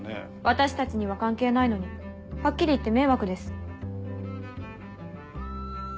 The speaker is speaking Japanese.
私たちには関係ないのにはっきり言って迷惑です。